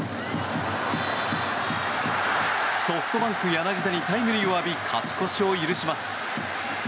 ソフトバンク、柳田にタイムリーを浴び勝ち越しを許します。